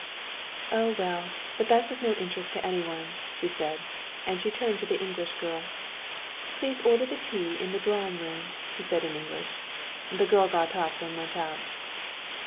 "Oh, well, but that's of no interest to anyone," she said, and she turned to the English girl. "Please order the tea in the drawing room," she said in English. The girl got up and went out.